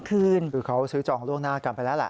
คือเขาซื้อจองล่วงหน้ากันไปแล้วแหละ